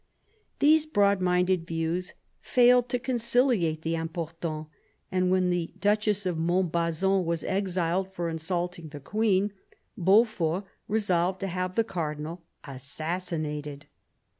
These broad minded views failed to conciliate the Im portantSf and when the Duchess of Montbazon was exiled for insulting the queen, Beaufort resolved to have the cardinal assassinated.